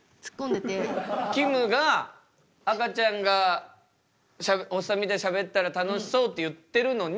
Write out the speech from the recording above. きむが赤ちゃんがおっさんみたいにしゃべったら楽しそうって言ってるのに。